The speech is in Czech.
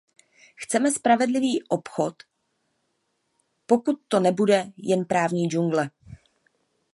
Chceme spravedlivý obchod, pokud to nebude jen právní džungle.